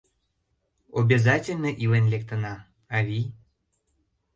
— Обязательно илен лектына, авий!